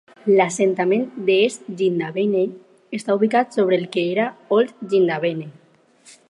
L'assentament d'East Jindabyne està ubicat sobre el que era Old Jindabyne.